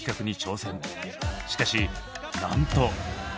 しかしなんと！